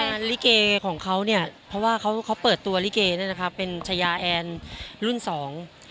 ลิเกของเขาเนี่ยเพราะว่าเขาเขาเปิดตัวลิเกเนี่ยนะครับเป็นชายาแอนรุ่นสอง